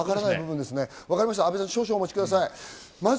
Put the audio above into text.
阿部さん、少々お待ちください。